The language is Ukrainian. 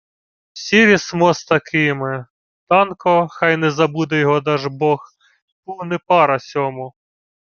— Сірі смо з таким. Данко, хай не забуде його Дажбог, був не пара сьому.